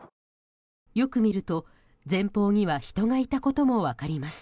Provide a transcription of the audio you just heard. よく見ると、前方には人がいたことも分かります。